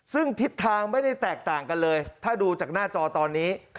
ซึ่งทิศทางไม่ได้แตกต่างกันเลยถ้าดูจากหน้าจอตอนนี้